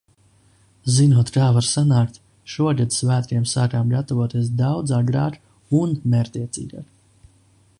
Zinot, kā var sanākt, šogad svētkiem sākām gatavoties daudz agrāk un mērķtiecīgāk.